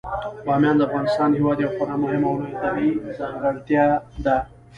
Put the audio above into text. بامیان د افغانستان هیواد یوه خورا مهمه او لویه طبیعي ځانګړتیا ده.